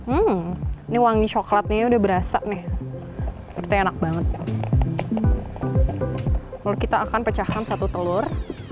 ini wangi coklatnya udah berasa nih enak banget kalau kita akan pecahkan satu telur